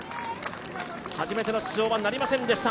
初めての出場はなりませんでした。